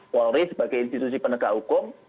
polri sebagai institusi penegak hukum